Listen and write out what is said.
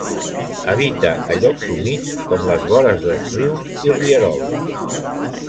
Habita a llocs humits com les vores dels rius i rierols.